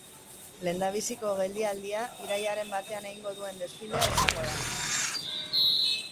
Lehendabiziko geldialdia irailaren batean egingo duen desfilea izango da.